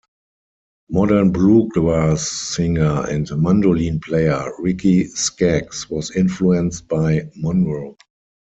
Modern bluegrass singer and mandolin player Ricky Skaggs was influenced by Monroe.